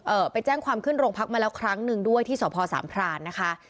ไปแจ้งความขึ้นโรงพักมาแล้วครั้งหนึ่งด้วยที่สพสามพรานนะคะ